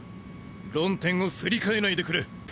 論点をすり替えないでくれ！